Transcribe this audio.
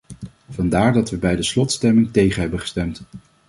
Vandaar dat we bij de slotstemming tegen hebben gestemd.